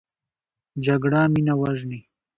جګړه مینه وژني